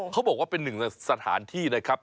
เขาบอกว่าเป็นหนึ่งสถานที่นะครับ